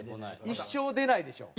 一生出ないでしょ。